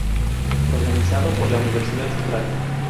Organizado por la Universidad Central.